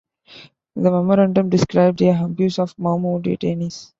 The memorandum described the abuse of Mau Mau detainees.